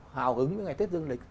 hào hứng với ngày tết dương lịch